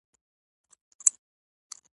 د ژوند سمه طریقه په خپل ځان بروسه کول دي.